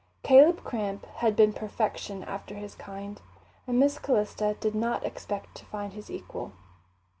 Caleb Cramp had been perfection after his kind, and Miss Calista did not expect to find his equal.